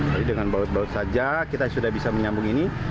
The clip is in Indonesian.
jadi dengan baut baut saja kita sudah bisa menyambung ini